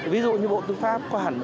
ví dụ như bộ tư pháp có hẳn